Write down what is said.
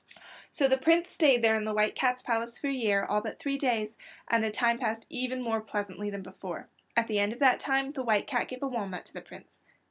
So the Prince stayed there in the White Cat's palace for a year, all but three days, and the time passed even more pleasantly than before. At the end of that time the White Cat gave a walnut to the Prince.